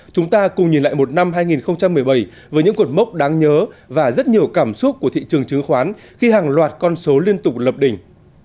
chúng ta cùng nhìn lại một năm hai nghìn một mươi bảy với những cột mốc đáng nhớ và rất nhiều cảm xúc của thị trường chứng khoán khi hàng loạt con số liên tục lập đỉnh